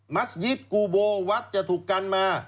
๕มัสยิตกุโบวัตต์จะถูกกันมา